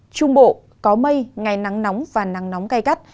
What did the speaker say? trung bộ có mây ngày nắng nóng và nắng nóng cay cắt